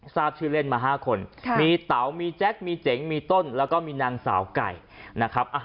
ทราบชื่อเล่นมา๕คนมีเต๋ามีแจ๊คมีเจ๋งมีต้นแล้วก็มีนางสาวไก่นะครับ